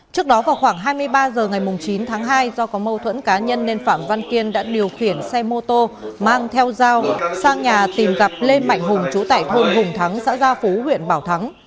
trước đó vào khoảng hai mươi ba h ngày chín tháng hai do có mâu thuẫn cá nhân nên phạm văn kiên đã điều khiển xe mô tô mang theo dao sang nhà tìm gặp lê mạnh hùng chú tại thôn hùng thắng xã gia phú huyện bảo thắng